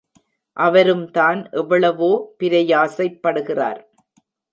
அவரும்தான் எவ்வளவோ பிரயாசைப் படுகிறார்.